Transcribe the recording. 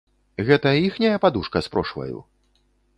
Гэта іхняя падушка з прошваю?